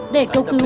để cầu cứu